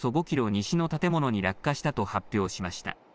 西の建物に落下したと発表しました。